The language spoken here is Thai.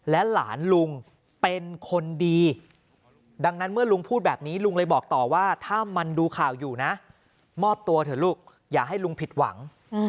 หลานลุงเป็นคนดีดังนั้นเมื่อลุงพูดแบบนี้ลุงเลยบอกต่อว่าถ้ามันดูข่าวอยู่นะมอบตัวเถอะลูกอย่าให้ลุงผิดหวัง